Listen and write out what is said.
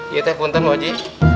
iya teh konten bu haji